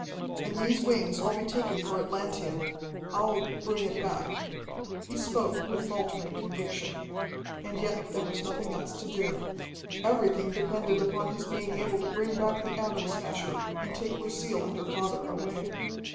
"In these wings I'll be taken for Atlantean. I'll bring it back." He spoke with faltering conviction. And yet there was nothing else to do. Everything depended upon his being able to bring back the Atom Smasher and take Lucille and her father away.